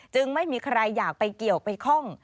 ไม่มีใครอยากไปเกี่ยวไปคล่อง